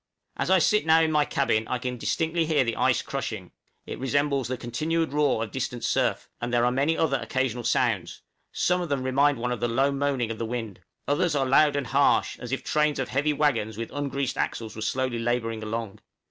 As I sit now in my cabin I can distinctly hear the ice crushing; it resembles the continued roar of distant surf, and there are many other occasional sounds; some of them remind one of the low moaning of the wind, others are loud and harsh, as if trains of heavy wagons with ungreased axles were slowly laboring along.